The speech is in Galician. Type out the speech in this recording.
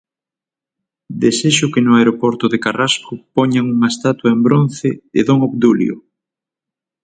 Desexo que no aeroporto de Carrasco poñan unha estatua en bronce de don Obdulio.